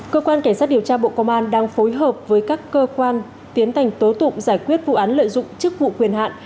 cơ quan cảnh sát điều tra bộ công an đang phối hợp với các cơ quan tiến hành tố tụng giải quyết vụ án lợi dụng chức vụ quyền hạn